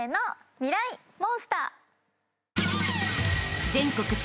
ミライ☆モンスター。